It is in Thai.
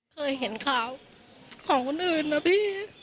เคยเห็นข่าวของคนอื่นนะพี่